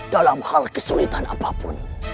dalam hal kesulitan apapun